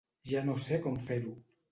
Ja no sé com fer-ho.